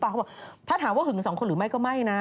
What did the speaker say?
เพราะหึงหรือเปล่า